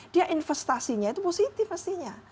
dia investasinya itu positif pastinya